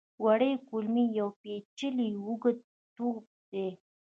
وړې کولمې یو پېچلی اوږد ټیوب دی.